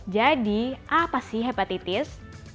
jadi apa sih hepatitis